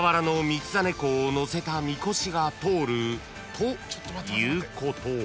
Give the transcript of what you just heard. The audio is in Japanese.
［ということ］